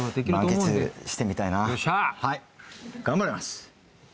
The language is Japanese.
頑張ります！